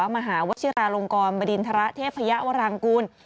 มหาวชิราลงกรบดินทรเทพยวรังกูล